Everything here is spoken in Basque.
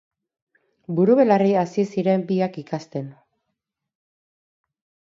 Buru-belarri hasi ziren biak ikasten.